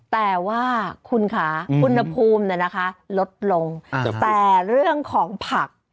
แต่ว่าคุณค่ะอืมคุณอภูมิน่ะนะคะลดลงอ่าแต่เรื่องของผัก